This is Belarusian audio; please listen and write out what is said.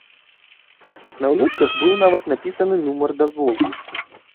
На улётках быў нават напісаны нумар дазволу.